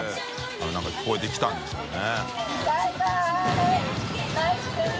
覆鵑聞こえてきたんでしょうね店主）